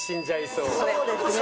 そうですね。